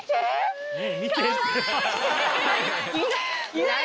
いない。